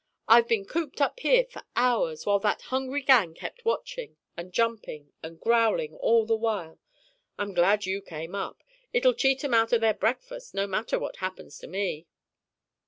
I've been cooped up here for hours, while that hungry gang kept watching and jumping and growling all the while. I'm glad you came up. It'll cheat 'em out of their breakfast, no matter what happens to me."